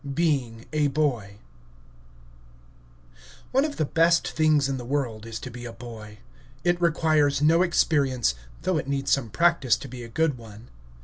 BEING A BOY One of the best things in the world to be is a boy; it requires no experience, though it needs some practice to be a good one.